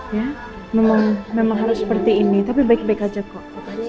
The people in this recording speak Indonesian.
ya memang harus seperti ini tapi baik baik aja kok